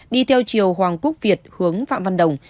đi theo chiều hoàng quốc việt hướng phạm văn đồng